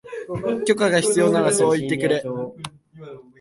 許可が必要ならそう言ってくれ